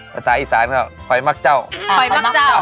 ภาษาอีสานก็คอยมักเจ้าคอยมักเจ้า